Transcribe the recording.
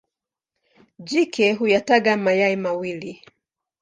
Jike huyataga mayai mawili.